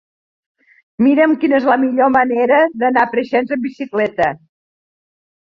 Mira'm quina és la millor manera d'anar a Preixens amb bicicleta.